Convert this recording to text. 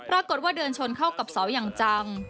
ปรากฏว่าเดินชนเข้ากับเสาอย่างจัง